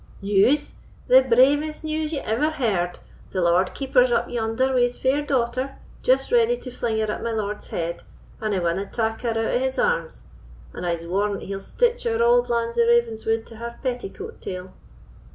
"News! The bravest news ye ever heard—the Lord Keeper's up yonder wi' his fair daughter, just ready to fling her at my lord's head, if he winna tak her out o' his arms; and I'se warrant he'll stitch our auld lands of Ravenswood to her petticoat tail."